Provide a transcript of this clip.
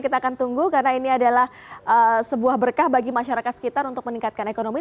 kita akan tunggu karena ini adalah sebuah berkah bagi masyarakat indonesia